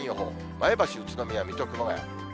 前橋、宇都宮、水戸、熊谷。